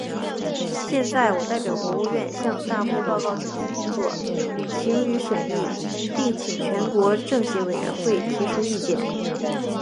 现在，我代表国务院，向大会报告政府工作，请予审议，并请全国政协委员提出意见。